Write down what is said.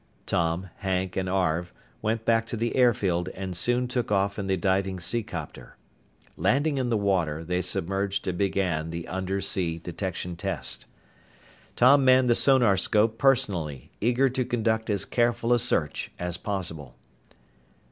Tom, Hank, and Arv went back to the airfield and soon took off in the diving seacopter. Landing on the water, they submerged and began the undersea detection test. Tom manned the sonarscope personally, eager to conduct as careful a search as possible.